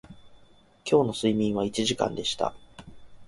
今日の睡眠は一時間でした